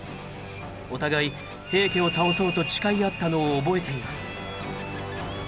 お互い平家を倒そうと誓い合ったのを覚えています。